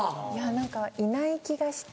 何かいない気がして。